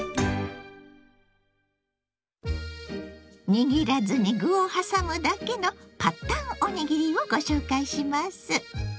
握らずに具を挟むだけの「パッタンおにぎり」をご紹介します。